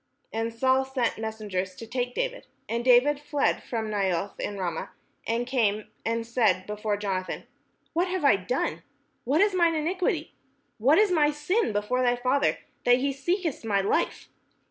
And Saul sent messengers to take David : and David fled from Naioth in Ramah, and came and said before Jonathan: "What have I done? what is mine iniquity? and what is my sin before thy father, that he seeketh my life?"